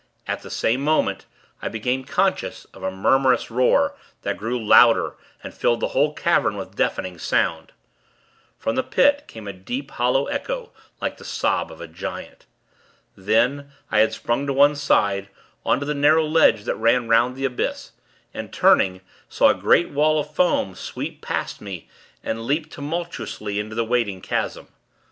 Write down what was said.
At the same moment, I became conscious of a murmurous roar, that grew louder, and filled the whole cavern with deafening sound. From the Pit, came a deep, hollow echo, like the sob of a giant. Then, I had sprung to one side, on to the narrow ledge that ran 'round the abyss, and, turning, saw a great wall of foam sweep past me, and leap tumultuously into the waiting chasm.